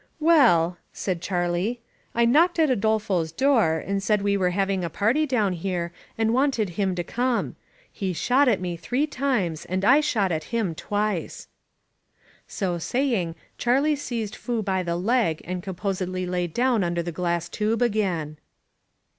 "Well," said Charlie, "I knocked at Adolfo's door and said we were having a party down here and wanted him to come. He shot at me three times and I shot at him twice." So saying, Charlie seized Foo by the leg and com posedly lay down under the glass tube again.